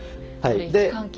位置関係